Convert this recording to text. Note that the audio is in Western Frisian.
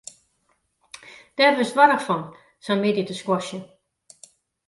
Dêr wurdst warch fan, sa'n middei te squashen.